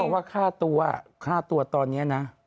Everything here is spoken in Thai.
เพราะว่าค่าตัวตอนนี้นะ